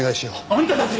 あんたたち！